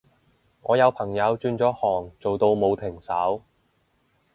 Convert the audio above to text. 我有朋友轉咗行做到冇停手